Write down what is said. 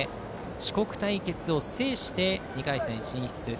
四国対決を制して２回戦進出。